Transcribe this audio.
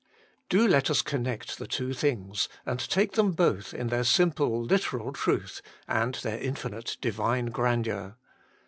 Do let us connect the two things, and take them both in their simple, literal truth, and their infinite, divine grandeur.